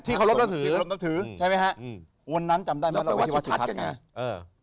ที่เขารบรับถือใช่ไหมฮะวันนั้นจำได้ไหมเราไปที่วาสสุทัศน์กัน